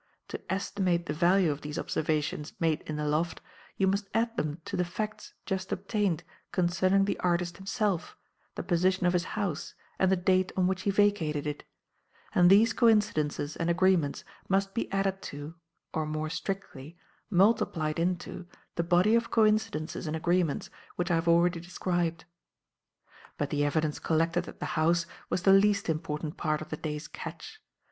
To estimate the value of these observations made in the loft, you must add them to the facts just obtained concerning the artist himself, the position of his house and the date on which he vacated it; and these coincidences and agreements must be added to or, more strictly, multiplied into the body of coincidences and agreements which I have already described. "But the evidence collected at the house was the least important part of the day's 'catch.'